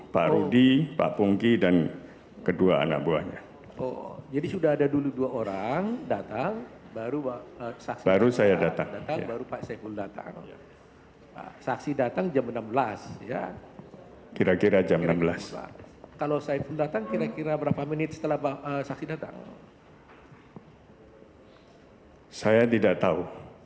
pada waktu itu